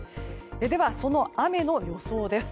では、その雨の予想です。